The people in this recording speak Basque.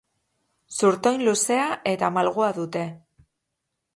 Zurtoin luzea eta malgua dute.